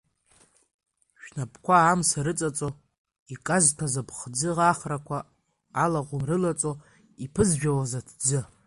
Шәнапқәа амса рыҵаҵо, иказҭәаз аԥхӡы, ахрақәа алаӷәым рылаҵо, иԥызжәауаз аҭӡы?!